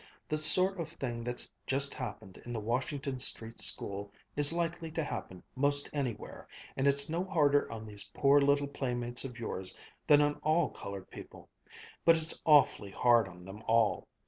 The sort of thing that's just happened in the Washington Street School is likely to happen 'most anywhere, and it's no harder on these poor little playmates of yours than on all colored people. But it's awfully hard on them all.